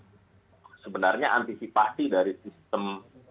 sebenarnya antisipasi dari sistem